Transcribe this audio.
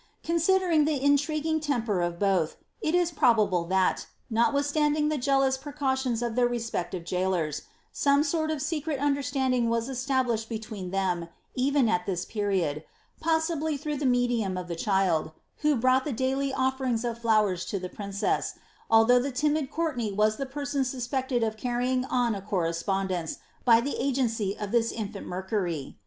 '' Considering the intriguing temper of both, it is probable that, notwithstanding the jealous precautions of their respective jailors, some sort of secret understanding was established between them even at this period, poesibly through the medium of the child, who brought the daily offering of flowers to the princess, although the timid Courtenay was the person suspected of carrying on a correspondence by the agency of this in&nt Mercury.